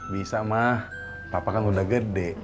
bisa mah papa kan udah gede